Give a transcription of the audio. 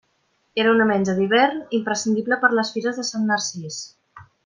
Era una menja d'hivern, imprescindible per les Fires de Sant Narcís.